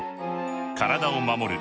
体を守る